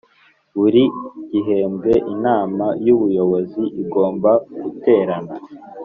buri gihembwe inama y ubuyobozi igomba guterana